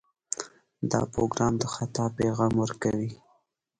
دا پروګرام د خطا پیغام ورکوي.